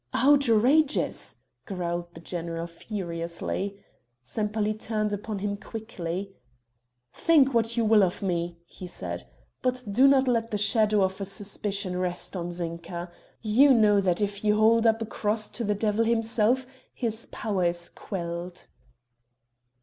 "Outrageous!" growled the general furiously. Sempaly turned upon him quickly: "Think what you will of me," he said, "but do not let the shadow of a suspicion rest on Zinka. You know that if you hold up a cross to the devil himself, his power is quelled."